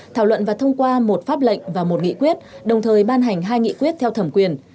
thảo luận và thông qua một pháp lệnh và một nghị quyết đồng thời ban hành hai nghị quyết theo thẩm quyền